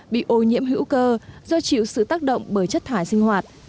bị ô nhiễm hữu cơ do chịu sự tác động bởi chất thải sinh hoạt